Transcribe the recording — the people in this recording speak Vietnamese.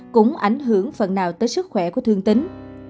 cũng ảnh hưởng phần nào tới sức khỏe của thương tính